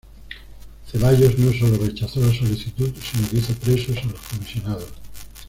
Ceballos no sólo rechazó la solicitud sino que hizo presos a los comisionados.